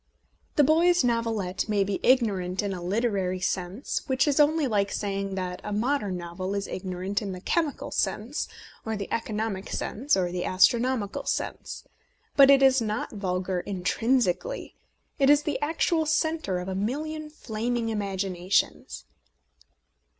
The boy's novelette may be ignorant in a literary sense, which is only like saying that a modern novel is ignorant in the chemical sense, or the eco nomic sense, or the astronomical sense ; but it is not vulgar intrinsically — it is the actual centre of a million flaming imaginations.